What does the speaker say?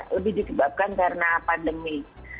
lebih disebabkan karena pandemi